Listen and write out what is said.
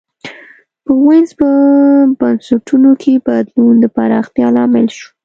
په وینز په بنسټونو کې بدلون د پراختیا لامل شو.